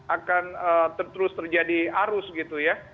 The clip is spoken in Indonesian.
akan terus terjadi arus gitu ya